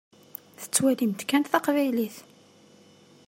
Tettwalimt kan taqbaylit.